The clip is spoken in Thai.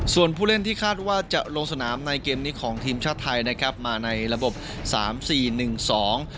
ส่วนผู้เล่นที่คาดว่าจะลงสนามในเกมนี้ของทีมชาติไทยนะครับมาในระบบสามสี่หนึ่งสอง